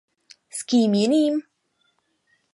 S kým jiným?